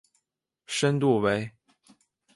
深度为。